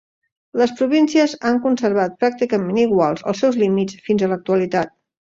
Les províncies han conservat pràcticament iguals els seus límits fins a l'actualitat.